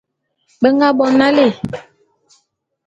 Be nga bo nalé.